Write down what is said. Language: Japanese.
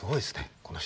この人は。